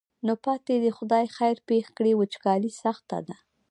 نو پاتې دې خدای خیر پېښ کړي وچکالي سخته ده.